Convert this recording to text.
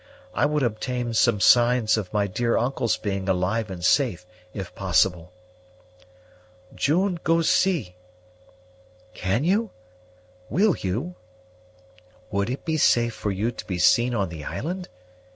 I would obtain some signs of my dear uncle's being alive and safe, if possible." "June go see." "Can you? will you? would it be safe for you to be seen on the island?